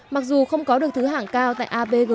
mặc dù không có được thứ hạng cao tại abg